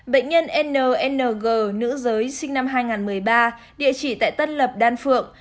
bệnh nhân nng nữ giới sinh năm hai nghìn một mươi ba địa chỉ tại tân lập đan phượng